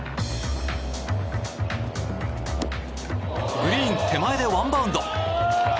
グリーン手前でワンバウンド。